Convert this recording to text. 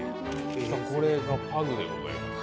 これがパグでございます。